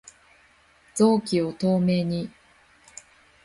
臓器を透明に